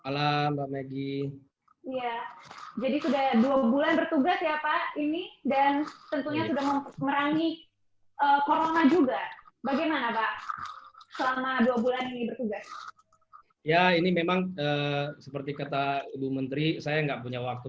bagaimana pak selama dua bulan ini bertugas ya ini memang seperti kata ibu menteri saya enggak punya waktu